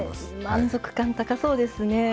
満足感が高そうですね。